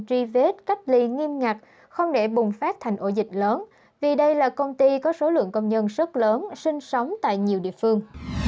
truy vết cách ly nghiêm ngặt không để bùng phát thành ổ dịch lớn vì đây là công ty có số lượng công nhân rất lớn sinh sống tại nhiều địa phương